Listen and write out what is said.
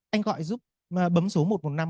anh gọi giúp mà bấm số một trăm một mươi năm